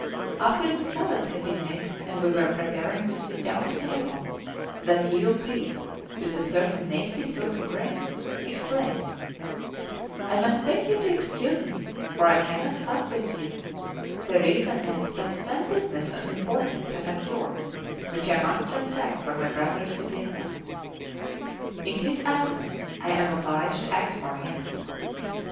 After the salads had been mixed and we were preparing to sit down to table, that evil priest, with a certain nasty sort of grin, exclaimed: "I must beg you to excuse me, for I cannot sup with you; the reason is that some business of importance has occurred which I must transact for my brother Sbietta. In his absence I am obliged to act for him."